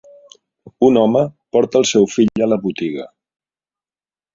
Un home porta el seu fill a la botiga.